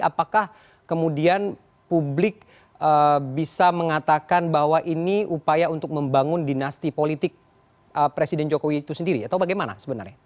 apakah kemudian publik bisa mengatakan bahwa ini upaya untuk membangun dinasti politik presiden jokowi itu sendiri atau bagaimana sebenarnya